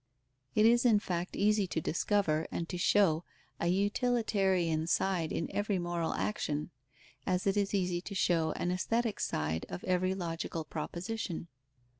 It is in fact easy to discover and to show a utilitarian side in every moral action; as it is easy to show an aesthetic side of every logical proposition.